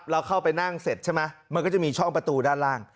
เราเข้าไปนั่งเสร็จใช่ไหมมันก็จะมีช่องประตูด้านล่าง